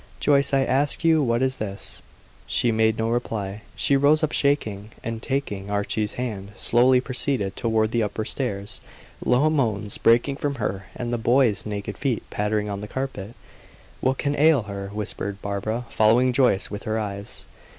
"Joyce I ask you what is this?" She made no reply. She rose up shaking; and, taking Archie's hand, slowly proceeded toward the upper stairs, low moans breaking from her, and the boy's naked feet pattering on the carpet. "What can ail her?" whispered Barbara, following Joyce with her eyes.